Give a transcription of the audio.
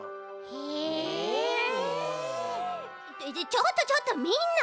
ちょっとちょっとみんな！